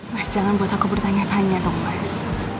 mas jangan buat aku bertanya tanya dong mas